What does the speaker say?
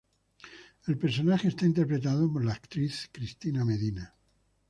El personaje es interpretado por la actriz Cristina Medina.